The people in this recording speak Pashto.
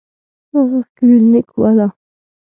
هغه کلينيک والا.